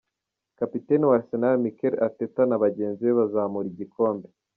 Kapiteni wa Arsenal Mikel Arteta na bagenzi be bazamura igikombe.